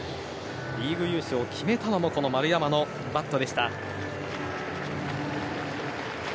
リーグ優勝を決めたのもこの丸山のバットでした。